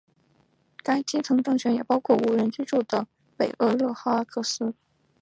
该基层政权也包括无人居住的北厄勒哈克斯。